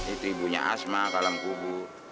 itu ibunya asma di dalam kubur